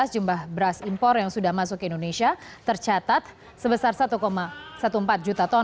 jumlah beras impor yang sudah masuk ke indonesia tercatat sebesar satu empat belas juta ton